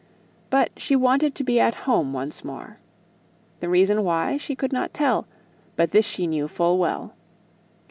But she wanted to be at home once more. The reason why she could not tell; but this she knew full well.